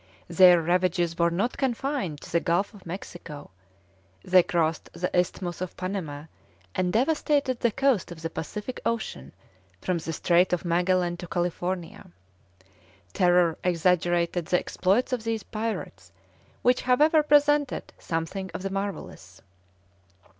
Their ravages were not confined to the Gulf of Mexico: they crossed the Isthmus of Panama and devastated the coast of the Pacific Ocean from the Strait of Magellan to California. Terror exaggerated the exploits of these pirates, which however presented something of the marvellous.